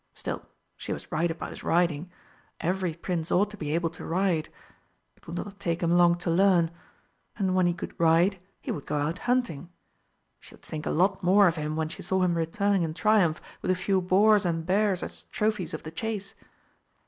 Still, she was right about his riding. Every Prince ought to be able to ride. It would not take him long to learn. And when he could ride he would go out hunting. She would think a lot more of him when she saw him returning in triumph with a few boars and bears as trophies of the chase.